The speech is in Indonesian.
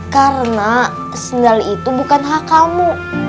karena sendal itu bukan hak kamu